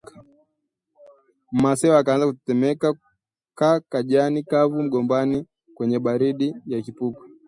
Me Masewa akaanza kutetemeka ka jani kavu la mgomba kwenye baridi ya kipupwe